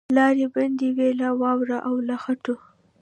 لاري بندي وې له واورو او له خټو